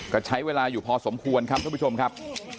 ก็ใช้เวลาอยู่พอสมควรครับท่านผู้ชมครับ